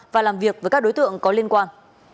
và làm việc với các đối tượng có liên quan